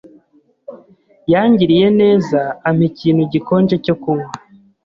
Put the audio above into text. Yangiriye neza ampa ikintu gikonje cyo kunywa.